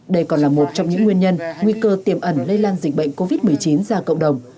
đây còn là một trong những nguyên nhân nguy cơ tiềm ẩn lây lan dịch bệnh covid một mươi chín ra cộng đồng